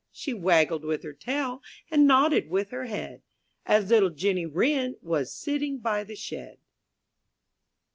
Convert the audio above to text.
She waggled with her tail And nodded with her head, As little Jenny Wren Was sitting by the shed.